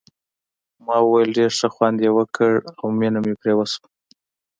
ما وویل ډېر ښه خوند یې وکړ او مینه مې پرې وشوه.